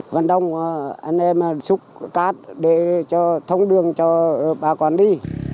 vân đông anh em xúc cắt để cho thông đường cho bà quản đi